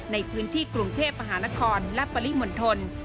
ในพื้นที่กรุงเทพภาษณะครและปริมนธล